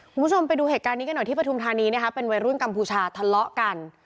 คุณผู้ชมไปดูเหตุการณ์นี้กันหน่อยที่ปฐุมธานีนะคะเป็นวัยรุ่นกัมพูชาทะเลาะกัน